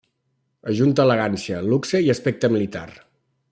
Ajunta elegància, luxe i aspecte militar.